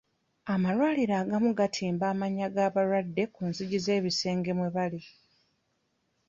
Amalwaliro agamu gatimba amannya g'abalwadde ku nzigi z'ebisenge mwe bali.